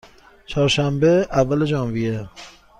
چهارشنبه، اول ژانویه